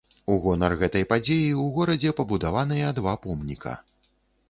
У гонар гэтай падзеі ў горадзе пабудаваныя два помніка.